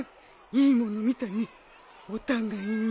いいもの見たねお互いに。